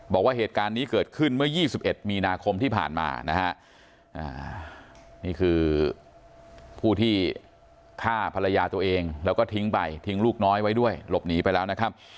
บอกว่าเหตุการณ์นี้เกิดขึ้นเมื่อ๒๑มีนาคมที่ผ่านมานะฮะนี่คือผู้ที่ฆ่าภรรยาตัวเองแล้วก็ทิ้งไปทิ้งลูกน้อยไว้ด้วยหลบหนีไปแล้วนะครับ